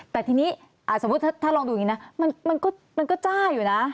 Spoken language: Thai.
แต่ทีนี้สมมุติถ้าลองดูอย่างนี้นะมันก็จ้าอยู่นะ